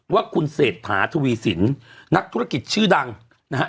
ว่าคุณเศรษฐาทวีสินนักธุรกิจชื่อดังนะฮะ